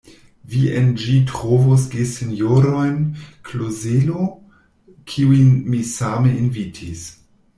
Vi en ĝi trovos gesinjorojn Klozelo, kiujn mi same invitis.